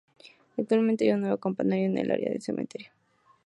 Actualmente hay un nuevo campanario en el área del cementerio.